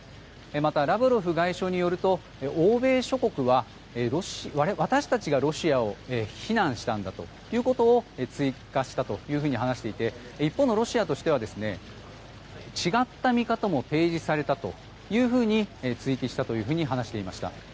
また、ラブロフ外相によると欧米諸国は私たちがロシアを非難したんだということを追加したと話していて一方のロシアとしては違った見方も提示されたというふうに追記したと話していました。